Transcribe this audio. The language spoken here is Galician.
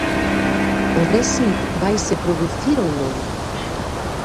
O Brexit vaise producir ou non?